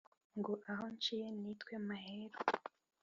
ngo aho nciye nitwe maheru